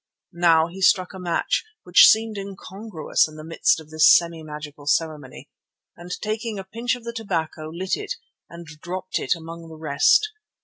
Now he struck a match, which seemed incongruous in the midst of this semi magical ceremony, and taking a pinch of the tobacco, lit it and dropped it among the rest.